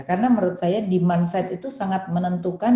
karena menurut saya demand side itu sangat menentukan